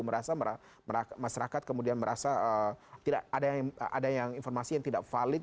merasa masyarakat merasa ada informasi yang tidak valid